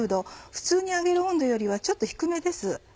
普通に揚げる温度よりはちょっと低めです。